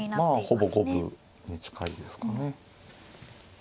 まあほぼ五分に近いですかね。